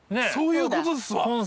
そういうことですわ。